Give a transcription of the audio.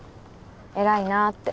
偉いなって。